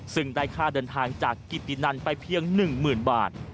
ซึ่งได้ค่าเดินทางจากกิตตินันไปเพียง๑๐๐๐บาท